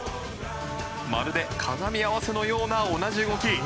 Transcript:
まるで鏡合わせのような同じ動き。